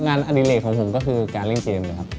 งานอดิเรตของผมก็คือการเล่นเกมนะครับ